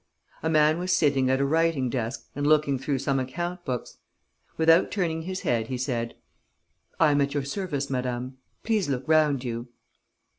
A man was sitting at a writing desk and looking through some account books. Without turning his head, he said: "I am at your service, madam.... Please look round you...."